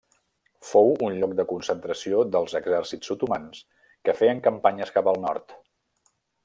Fou un lloc de concentració dels exèrcits otomans que feien campanyes cap al nord.